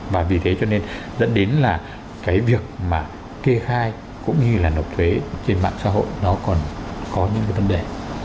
và vì thế cho nên dẫn đến là cái việc mà kê khai cũng như là nộp thuế trên mạng xã hội nó còn có những cái vấn đề